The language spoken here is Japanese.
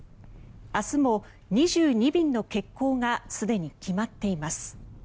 明日も２２便の欠航がすでに決まっています。